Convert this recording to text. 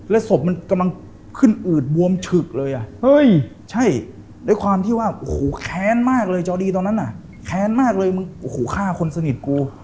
และศพมันกำลังขึ้นอืดวมฉึกเลยโอ้โหข้าคนสนิทกู